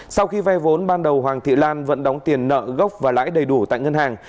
sau khi vay vốn ban đầu hoàng thị lan vẫn đóng tiền nợ gốc và lãi đầy đủ tại ngân hàng